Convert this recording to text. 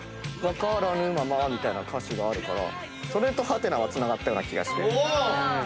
「解らぬまま」みたいな歌詞があるからそれと「？」はつながったような気がして。